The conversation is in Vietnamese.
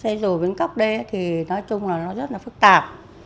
xe dù bến cốc đây thì nói chung là nó rất là phức tạp